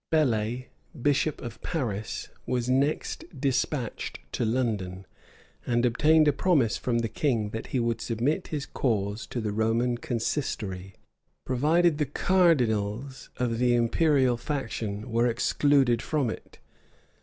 Bellay, bishop of Paris, was next despatched to London, and obtained a promise from the king that he would submit his cause to the Roman consistory, provided the cardinals of the imperial faction were excluded from it.